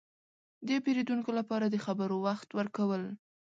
– د پېرودونکو لپاره د خبرو وخت ورکول.